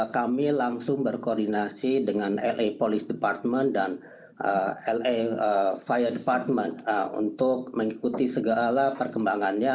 kami langsung berkoordinasi dengan la police department dan la fire department untuk mengikuti segala perkembangannya